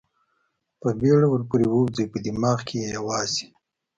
په بېړه ور پورې ووځي، په دماغ کې یې یوازې.